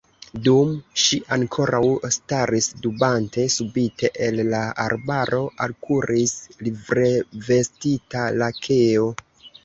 Dum ŝi ankoraŭ staris dubante, subite el la arbaro alkuris livrevestita lakeo